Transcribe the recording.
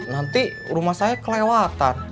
nanti rumah saya kelewatan